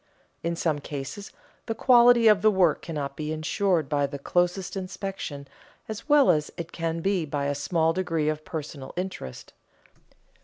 In some cases the quality of the work cannot be insured by the closest inspection as well as it can be by a small degree of personal interest.